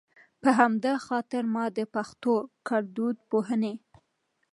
په همدا خاطر ما د پښتو ګړدود پوهنې